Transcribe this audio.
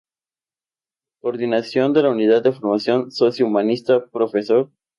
Coordinación de la Unidad de Formación Socio-Humanística: Prof.